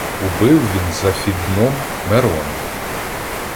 Убив він з Афідном Мерона